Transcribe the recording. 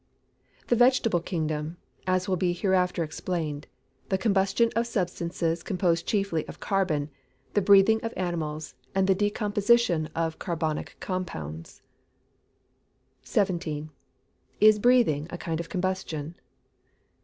_ The vegetable kingdom (as will be hereafter explained), the combustion of substances composed chiefly of carbon, the breathing of animals, and the decomposition of carbonic compounds. 17. _Is breathing a kind of combustion?